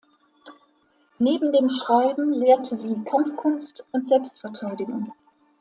Neben dem Schreiben lehrte sie Kampfkunst und Selbstverteidigung.